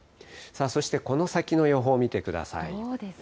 そして、この先の予報を見てください。